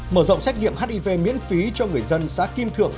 mở rộng xét nghiệm hiv miễn phí cho người dân xã kim thượng